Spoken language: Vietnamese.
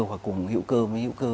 hoặc cùng hữu cơ với hữu cơ